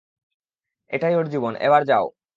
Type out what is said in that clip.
এটাই ওর জীবন, এবার যাও।